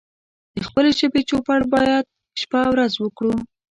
د خپلې ژبې چوپړ بايد شپه او ورځ وکړو